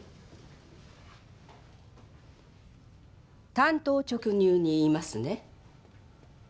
単刀直入に言いますね。